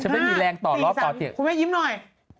ฉันไม่มีแรงต่อร้องต่อเจียงนี่๔๓คุณแม่ยิ้มหน่อย